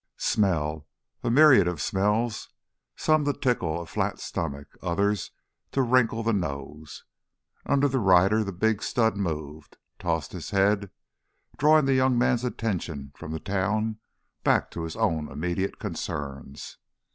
Smell, a myriad of smells, some to tickle a flat stomach, others to wrinkle the nose. Under the rider the big stud moved, tossed his head, drawing the young man's attention from the town back to his own immediate concerns.